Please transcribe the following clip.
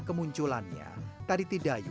kemunculannya tari tidayu